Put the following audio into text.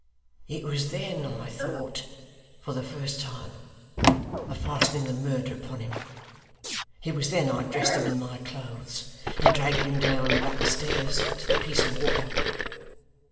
'It was then I thought, for the first time, of fastening the murder upon him. It was then I dressed him in my clothes, and dragged him down the back stairs to the piece of water.